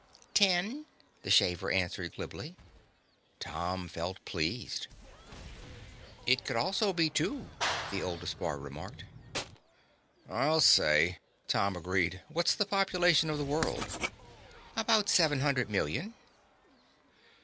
"Ten," the shaver answered glibly. Tom felt pleased. "It could also be two," the oldest boy remarked. "I'll say," Tom agreed. "What's the population of the world?" "About seven hundred million."